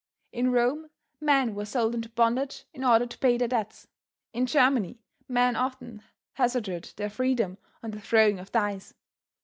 In Rome, men were sold into bondage in order to pay their debts. In Germany, men often hazarded their freedom on the throwing of dice.